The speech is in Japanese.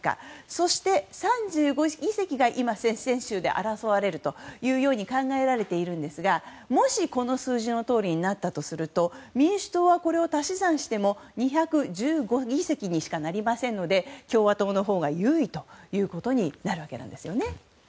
そして、３５議席が今、接戦州で争われると考えられているのですがもし、この数字のとおりになったとすると民主党はこれを足し算しても２１５議席にしかなりませんので共和党のほうが優位ということになるわけなんですよね。